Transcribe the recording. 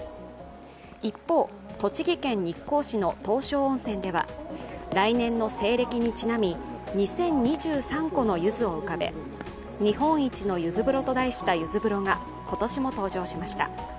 一方、栃木県日光市の東照温泉では来年の西暦にちなみ２０２３個のゆずを浮かべ日本一のゆず風呂と題したゆず風呂が今年も登場しました。